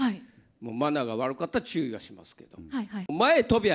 マナーが悪かったら注意はしますけど。